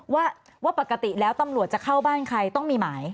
ว่าปกติแล้วตำรวจจะเข้าบ้านใครต้องมีหมาย